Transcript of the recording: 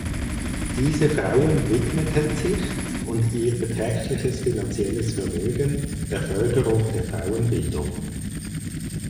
Diese Frauen widmeten sich und ihr beträchtliches finanzielles Vermögen der Förderung der Frauenbildung.